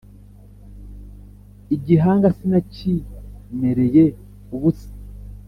igihanga sinakimereye ubusa